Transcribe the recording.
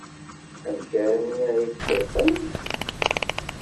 Amek armi ay ak-kellxent?